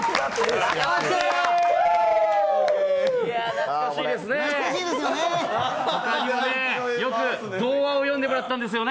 懐かしいですね。